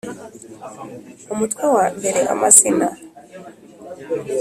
Umutwe wa mbere amazina